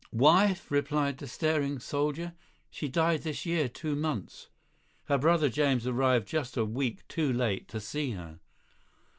"Wife!" replied the staring soldier, "she died this year two months. Her brother James arrived just a week too late to see her."